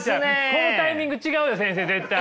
このタイミング違うよ先生絶対。